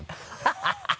ハハハ